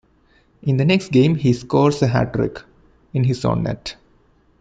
In the next game he scores a hat-trick... in his own net.